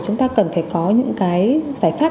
chúng ta cần phải có những cái giải pháp